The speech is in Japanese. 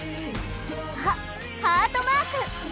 あっハートマーク！